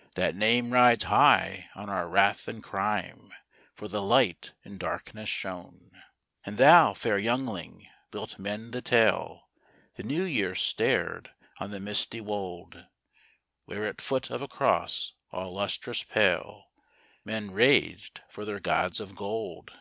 " That name rides high on our wrath and crime, For the Light in darkness shone. " And thou, fair youngling, wilt mend the tale? " The New Year stared on the misty wold, Where at foot of a cross all lustrous pale Men raged for their gods of gold.